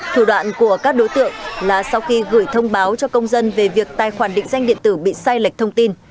thủ đoạn của các đối tượng là sau khi gửi thông báo cho công dân về việc tài khoản định danh điện tử bị sai lệch thông tin